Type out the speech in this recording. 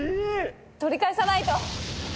取り返さないと。